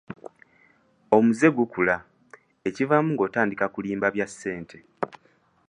Omuze gukula, ekivaamu ng'atandika kulimba bya ssente.